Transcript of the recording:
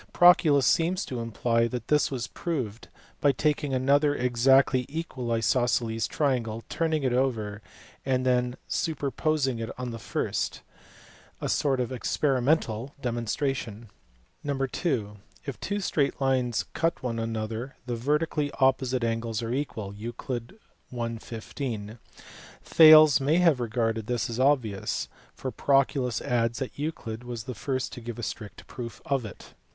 Proclus seems to imply that this was proved by taking another exactly equal isosceles triangle, turning it over, and then superposing it on the first; a sort of experimental demonstration. (ii) If two straight lines cut one another the vertically opposite angles are equal (Euc. i. 15). Thales may have regarded this as obvious, for Proclus adds that Euclid was the first to give a strict proof of it.